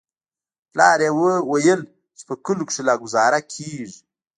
پلار يې ويل چې په کليو کښې لا گوزاره کېږي.